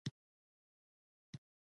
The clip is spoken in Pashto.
په پاکو سرپټو لوښیو یې پر مینه والو پلورل.